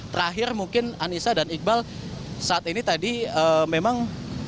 terakhir mungkin anissa dan iqbal saat ini tadi memang